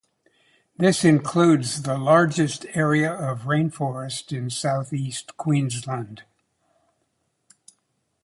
This includes the largest area of rainforest in South East Queensland.